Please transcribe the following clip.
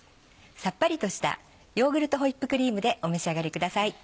さっぱりとしたヨーグルトホイップクリームでお召し上がりください。